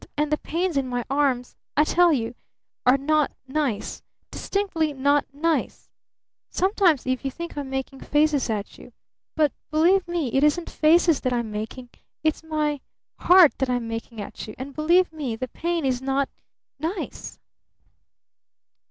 And the pains in my arms, I tell you, are not nice! Distinctly not nice! Sometimes, Eve, you think I'm making faces at you! But, believe me, it isn't faces that I'm making! It's my heart that I'm making at you! And believe me, the pain is not nice!"